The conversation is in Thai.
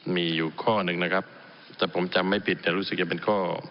มีอยู่ข้อหนึ่งนะครับแต่ผมจำไม่ผิดแต่รู้สึกจะเป็นข้อ